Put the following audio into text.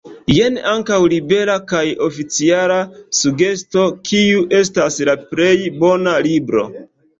Jen ankaŭ libera kaj oficiala sugesto kiu estas “la plej bona libro”.